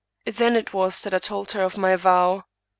Then it was that I told her of my vow.